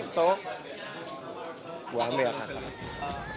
jadi gue ambil yang akan